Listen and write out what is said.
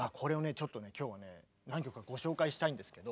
ちょっと今日はね何曲かご紹介したいんですけど。